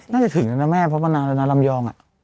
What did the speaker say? น่าจะถึงแล้วนะแม่เพราะมานานแล้วนะรำยองอ่ะ